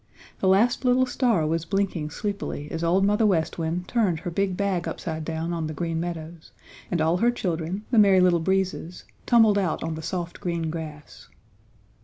The last little star was blinking sleepily as Old Mother West Wind turned her big bag upside down on the Green Meadows and all her children, the Merry Little Breezes, tumbled out on the soft green grass.